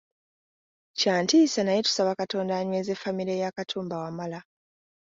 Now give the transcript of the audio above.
Kya ntiisa naye tusaba Katonda anyweze famire ya Katumba Wamala.